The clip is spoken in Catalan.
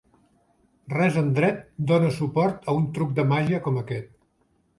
Res en Dret dona suport a un truc de màgia com aquest.